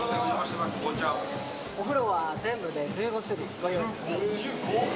お風呂は全部で１５種類ご用意してます。